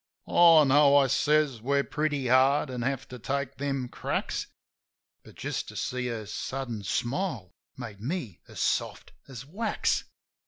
"Oh, no," I says. "We're pretty hard, an' have to take them cracks." (But, just to see her sudden smile, made me as soft as wax.)